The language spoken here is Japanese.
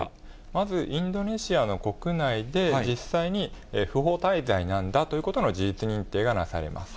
まず、インドネシアの国内で実際に不法滞在なんだということの事実認定がなされます。